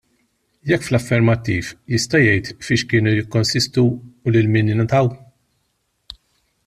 Jekk fl-affermattiv, jista' jgħid fiex kienu jikkonsistu u lil min ingħataw?